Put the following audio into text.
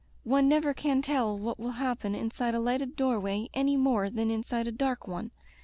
One never can tell what will happen inside a lighted door way any more than in side a dark one.